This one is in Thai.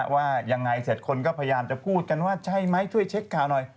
ว่ายังไงเสร็จคนก็พยายามจะพูดกันว่าใช่ไหมช่วยเช็คข่าวหน่อย